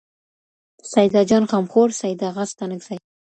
سيداجان غمخور سيداغا ستانکزى